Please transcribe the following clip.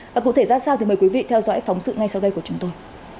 và cụ thể ra sao thì mời quý vị theo dõi phóng sự ngay sau đây của chúng tôi